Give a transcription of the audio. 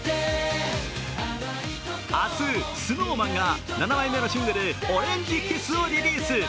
明日ＳｎｏｗＭａｎが７枚目のシングル「オレンジｋｉｓｓ」をリリース。